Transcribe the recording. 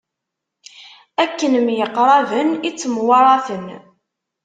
Akken myeqṛaben i ttemwaṛaten.